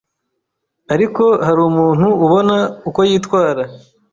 ariko hari umuntu ubona uko yitwara